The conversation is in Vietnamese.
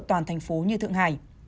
toàn thành phố như thượng hải